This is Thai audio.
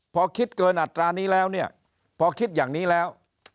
พอคิดเกินอัตรานี้แล้วเนี่ยพอคิดอย่างนี้แล้ว